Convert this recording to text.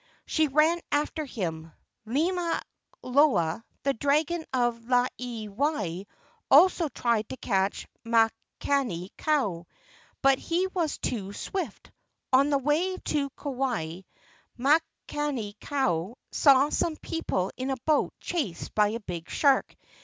She ran after him. Limaloa, the dragon of Laiewai, also tried to catch Makani kau, but he was too swift. On the way to Kauai, Makani kau saw some people in a boat chased by a big shark.